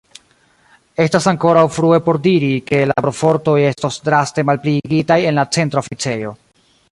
Estas ankoraŭ frue por diri, ke laborfortoj estos draste malpliigitaj en la Centra Oficejo.